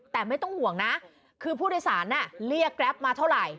แต่ไม่ต้องห่วงนะคือผู้โดยสารเรียกแกรปมาเท่าไหร่